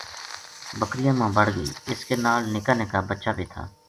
بکریاں ما بَڑ گئی اس کے نال نکا نکا بچا بے تھا